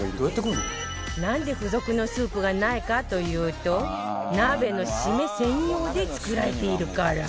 なんで付属のスープがないかというと鍋のシメ専用で作られているから